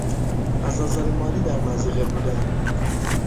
از نظر مالی در مضیقه بودن